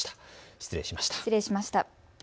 失礼しました。